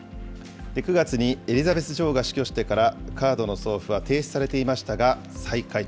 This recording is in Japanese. ９月にエリザベス女王が死去してからカードの送付は停止されていましたが、再開。